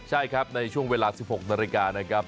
ใช่ครับในช่วงเวลา๑๖นาฬิกานะครับ